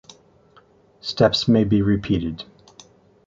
Steps may be repeated.